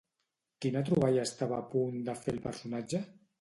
Quina troballa estava a punt de fer el personatge?